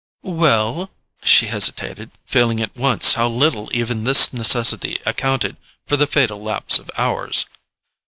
"Well——?" She hesitated, feeling at once how little even this necessity accounted for the fatal lapse of hours.